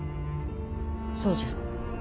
そうじゃ。